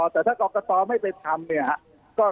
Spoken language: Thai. แต่ถ้ากรกตไม่ไปทำเนี่ย